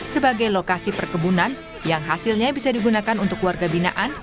sebagai lokasi perkebunan yang hasilnya bisa digunakan untuk warga binaan